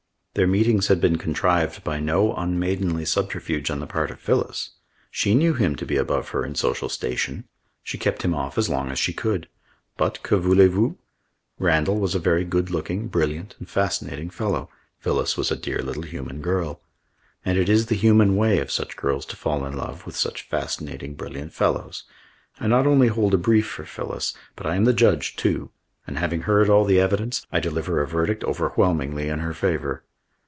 Their meetings had been contrived by no unmaidenly subterfuge on the part of Phyllis. She knew him to be above her in social station. She kept him off as long as she could. But que voulez vous? Randall was a very good looking, brilliant, and fascinating fellow; Phyllis was a dear little human girl. And it is the human way of such girls to fall in love with such fascinating, brilliant fellows. I not only hold a brief for Phyllis, but I am the judge, too, and having heard all the evidence, I deliver a verdict overwhelmingly in her favour.